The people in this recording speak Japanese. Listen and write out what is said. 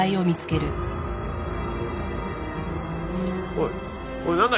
おいおいなんだ？